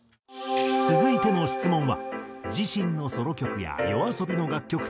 続いての質問は。